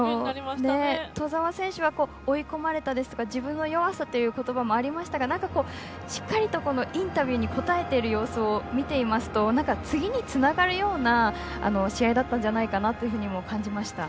兎澤選手は追い込まれたりですとか自分の弱さということばもありましたがしっかりとインタビューに答えている様子を見ていますと次につながるような試合だったんじゃないかなとも感じました。